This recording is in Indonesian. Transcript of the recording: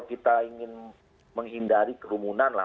pertama kita menghidupkan orang yang datang ke tps